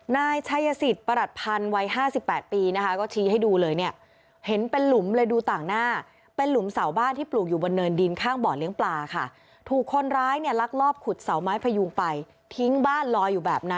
นายชายสิทธิ์ประหลัดพันธ์วัย๕๘ปีนะคะก็ชี้ให้ดูเลยเนี่ย